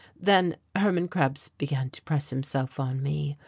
Then Hermann Krebs began to press himself on me.